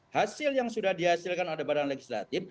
hasil yang sudah dihasilkan oleh badan legislatif